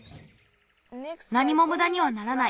なにもむだにはならない。